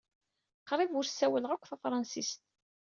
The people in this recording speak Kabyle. Qrib ur ssawaleɣ akk tafṛansit.